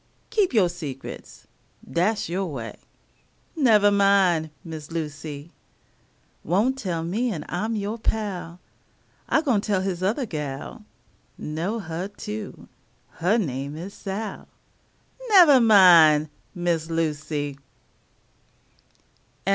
Keep yo' secrets dat's yo' way Nevah min', Miss Lucy. Won't tell me an' I'm yo' pal I'm gwine tell his othah gal, Know huh, too, huh name is Sal; Nevah min', Miss Lucy!